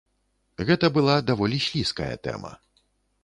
Гэта была даволі слізкая тэма.